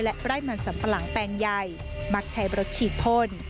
และรายมันสัมปรังแปลงใหญ่บักใช้บรดฉีดพล